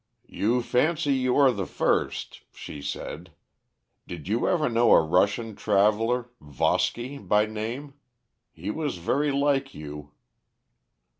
"'You fancy you are the first,' she said. 'Did you ever know a Russian traveler, Voski by name? He was very like you.'